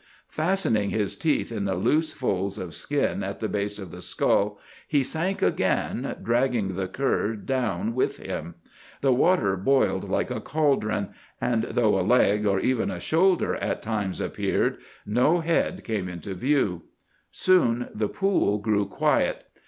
Fastening his teeth in the loose folds of skin at the base of the skull he sank again, dragging the cur down with him. The water boiled like a caldron, and though a leg, or even a shoulder at times appeared, no head came into view. Soon the pool grew quiet.